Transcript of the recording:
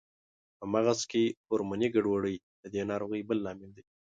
په مغز کې هورموني ګډوډۍ د دې ناروغۍ بل لامل دی.